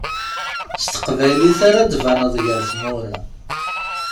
S teqbaylit ara d-baneḍ gar tmura.